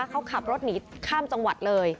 เขาขับรถหนีข้ามจังหวัดเลย